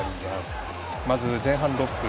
まず前半６分。